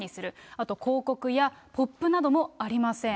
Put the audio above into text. あと広告やポップなどもありません。